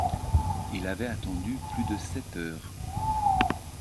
Il avait attendu plus de sept heures.